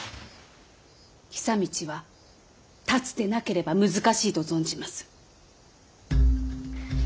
久通は龍でなければ難しいと存じます。